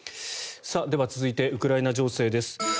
では、続いてウクライナ情勢です。